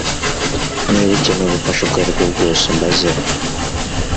Niba ukeneye ubufasha ubwo ari bwo bwose umbaze